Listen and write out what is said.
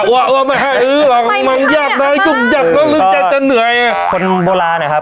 ว่าไม่ให้เออหรอมันยากมากมันจะเหนื่อยคนโบราณเนี้ยครับ